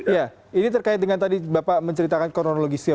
ya ini terkait dengan tadi bapak menceritakan kronologisnya